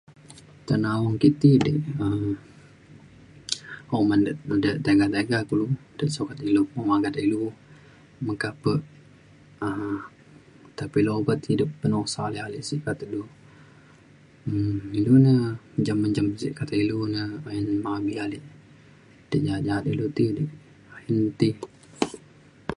te naong ke ti ke um uman de de tega tega kulu te sukat ilu pemagat ilu meka pe um tai pa ilu hidup penusa ale ale sik kate du um inu na njam njam sik kata ilu na ayen pabi ale ti ja’at ja’at ilu ti ayen ti